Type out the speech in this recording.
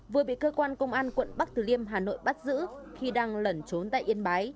vừa bị cơ quan công an quận bắc từ liêm hà nội bắt giữ khi đang lẩn trốn tại yên bái